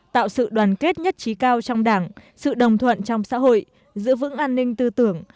tạo sự đoàn kết nhất trí cao trong đảng sự đồng thuận trong xã hội giữ vững an ninh tư tưởng